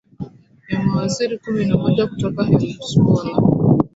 ya mawaziri kumi na moja kutoka helzbolla